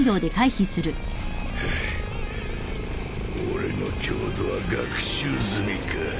俺の強度は学習済みか。